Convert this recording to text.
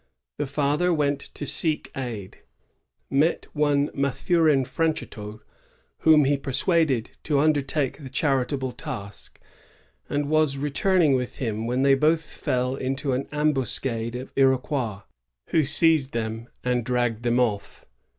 The father went to seek aid; met one Mathurin Franchetot, • whom he persuaded to undertake the charitable task, and was returning with him, when they both fell into an ambuscade of Iroquois, who seized them and dragged them off.